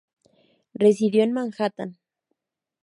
Residió en Manhattan.